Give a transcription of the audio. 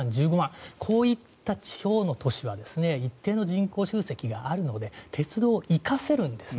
こういった地方の都市は一定の人口集積があるので鉄道を生かせるんです。